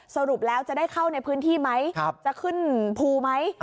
สรุปแล้วจะได้เข้าในพื้นที่ไหมจะขึ้นภูไหม